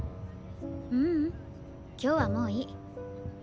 ううん今日はもういい。